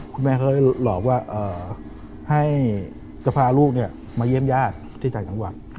คุณแม่เขาเลยหลอกว่าให้จะพาลูกมาเยี่ยมญาติที่ต่างจังหวัด